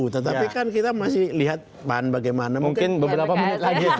tetapi kan kita masih lihat bahan bagaimana mungkin beberapa menit lagi